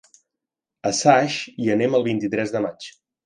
A Saix hi anem el vint-i-tres de maig.